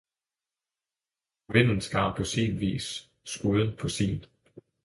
Vinden skar paa sin Viis, Skuden paa sin!